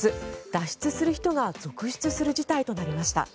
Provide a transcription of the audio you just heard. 脱出する人が続出する事態となりました。